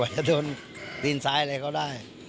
ไปจะโดนดินซ้ายอะไรเขาได้